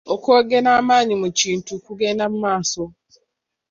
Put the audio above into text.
Okwongera amaanyi mu kintu kugenda mu maaso.